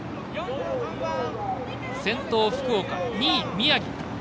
先頭、福岡、２位、宮城。